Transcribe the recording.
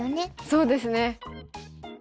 そうですね。